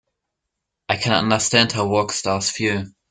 I can understand how rock stars feel.